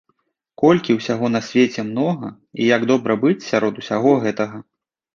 Колькі ўсяго на свеце многа, і як добра быць сярод усяго гэтага.